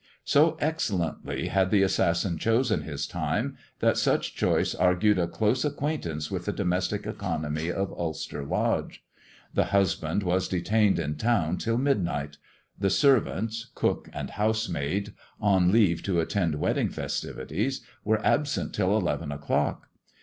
So excellently had the assassin chosen his time, that such choice argued a close acquaintance with the domestic economy of Ulster Lodge. The husband was detained in town till midnight ; the servants (cook and housemaid), on leave to attend wedding festivities, were absent till eleven o'clock.